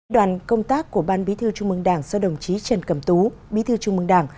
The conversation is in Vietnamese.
đoàn công tác của ban bí thư trung mương đảng do đồng chí trần cẩm tú bí thư trung mương đảng